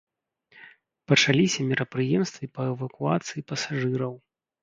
Пачаліся мерапрыемствы па эвакуацыі пасажыраў.